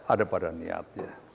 ada pada niat